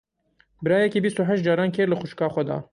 Birayekî bîst û heşt caran kêr li xwişka xwe da.